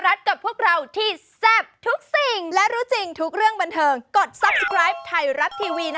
เราก็รู้สึกดี